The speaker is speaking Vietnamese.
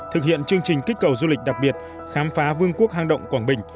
thực hiện chương trình kích cầu du lịch đặc biệt khám phá vương quốc hang động quảng bình